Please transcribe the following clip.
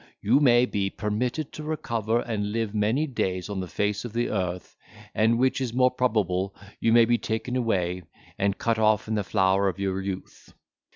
You may be permitted to recover and live many days on the face of the earth; and, which is more probable, you may be taken away, and cut off in the flower of your youth.